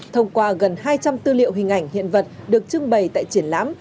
thông qua gần hai trăm linh tư liệu hình ảnh hiện vật được trưng bày tại triển lãm